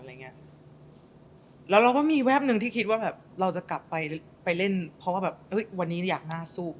แล้วเราก็มีแวบหนึ่งที่คิดว่าแบบเราจะกลับไปไปเล่นเพราะว่าแบบวันนี้อยากหน้าสู้